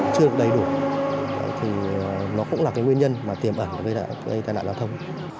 chưa đầy đủ nó cũng là nguyên nhân tiềm ẩn gây tai nạn giao thông